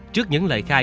trước những lời khai